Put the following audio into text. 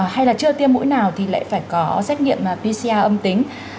hay là chưa tiêm mũi nào thì lại phải có xét nghiệm pcr âm tính